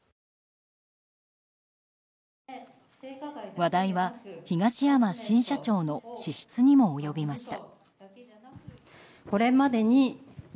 話題は東山新社長の資質にも及びました。